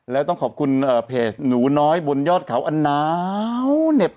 แล้วต้องขอบคุณเพจหนูน้อยบนยอดเขาอันหนาวเหน็บ